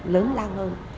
lớn lang hơn